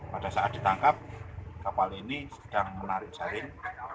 pada saat ditangkap kapal ini sedang menarik jaring